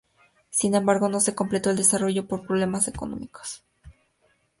Sin embargo, no se completó el desarrollo por problemas económicos.